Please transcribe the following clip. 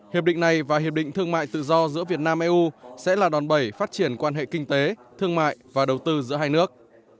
hiệp định này và hiệp định thương mại tự do giữa việt nam eu sẽ là đòn bẩy phát triển quan hệ kinh tế thương mại và đầu tư giữa hai nước